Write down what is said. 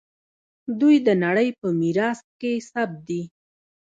دوی د نړۍ په میراث کې ثبت دي.